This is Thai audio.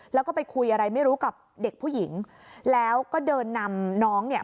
แล้วก็ไปคุยอะไรไม่รู้กับเด็กผู้หญิงแล้วก็เดินนำน้องเนี่ย